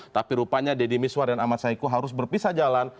tapi rupanya deddy miswar dan ahmad saiku harus berpisah jalan